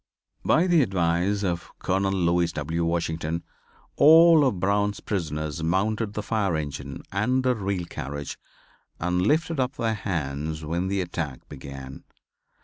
By the advice of Colonel Lewis W. Washington all of Brown's prisoners mounted the fire engine and the reel carriage and lifted up their hands when the attack began.